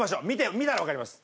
見たらわかります。